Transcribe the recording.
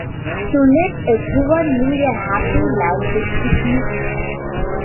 To let everyone lead a happy life with dignity.